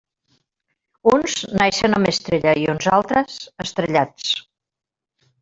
Uns naixen amb estrella i uns altres, estrellats.